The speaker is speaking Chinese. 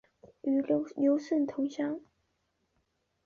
与刘胜同乡。